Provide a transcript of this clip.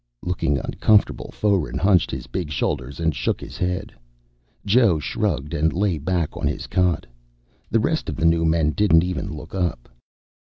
Looking uncomfortable, Foeren hunched his big shoulders and shook his head. Joe shrugged and lay back on his cot. The rest of the new men didn't even look up.